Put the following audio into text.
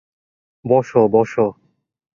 বোসো, বোসো।